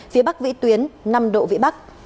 phía bắc vĩ tuyến năm độ vĩ bắc